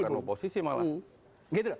bukan oposisi malah